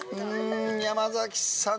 山崎さん